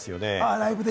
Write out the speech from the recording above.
ライブで。